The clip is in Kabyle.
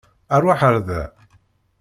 Aṛwaḥ ar da.